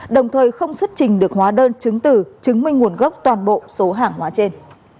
đồng thời không xuất trình được hóa đơn chứng tử chứng minh nguồn gốc toàn bộ số hàng hóa trên